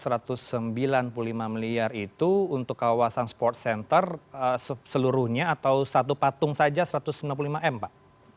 rp satu ratus sembilan puluh lima miliar itu untuk kawasan sport center seluruhnya atau satu patung saja satu ratus sembilan puluh lima m pak